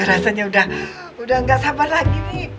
rasanya udah gak sabar lagi nih